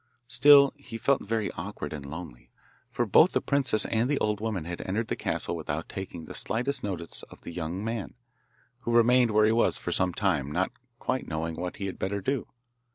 Still, he felt very awkward and lonely, for both the princess and the old woman had entered the castle without taking the slightest notice of the young man, who remained where he was for some time, not quite knowing what he had better do.